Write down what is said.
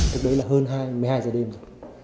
nhận định rất có thể hai người còn lại là linh và duy